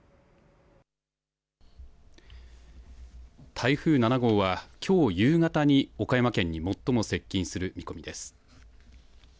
台風７号はきょう夕方に岡山県に最も接近する見込みです。